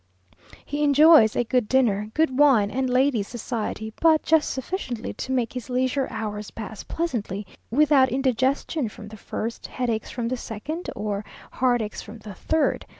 He enjoys a good dinner, good wine, and ladies' society, but just sufficiently to make his leisure hours pass pleasantly, without indigestion from the first, headaches from the second, or heartaches from the third.